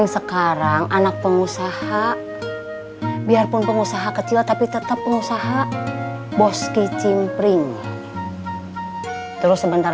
sekarang anak pengusaha biarpun pengusaha kecil tapi tetap pengusaha bos khimpling terus sebentar